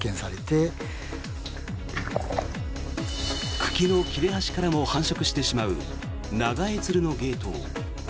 茎の切れ端からも繁殖してしまうナガエツルノゲイトウ。